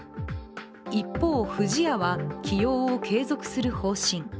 一方、不二家は、起用を継続する方針。